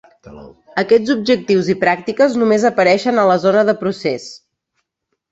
Aquests objectius i pràctiques només apareixen a la zona de procés.